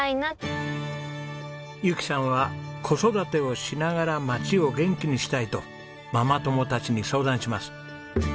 ゆきさんは子育てをしながら町を元気にしたいとママ友たちに相談します。